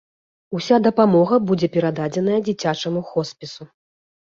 Уся дапамога будзе перададзеная дзіцячаму хоспісу.